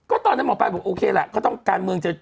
ก็ตอนนั้นหมอปายบอกโอเคแหละ